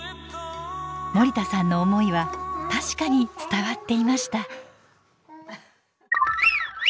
森田さんの思いは確かに伝わっていました。